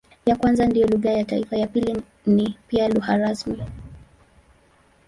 Ya kwanza ndiyo lugha ya taifa, ya pili ni pia lugha rasmi.